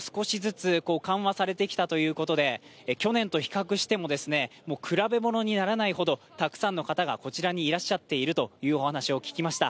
コロナも少しずつ緩和されてきたということで、去年と比較しても比べものにならないほど、たくさんの方が、こちらにいらっしゃっているというお話聞きました。